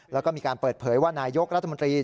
แล้วก็มีการเปิดเผยว่านายกรัฐมนตรี